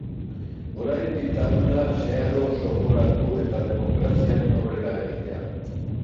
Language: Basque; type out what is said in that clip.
Orain diktadura zeharo zokoratu eta demokrazian aurrera egitea.